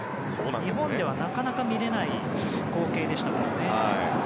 日本ではなかなか見られない光景でしたからね。